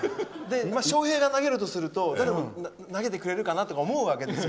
翔平が投げるとするとダルも投げてくれるかなと思うわけですよ。